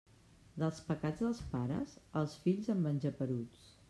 Dels pecats dels pares, els fills en van geperuts.